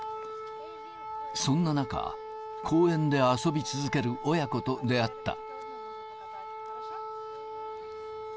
そんな中、公園で遊び続ける親子と出会った。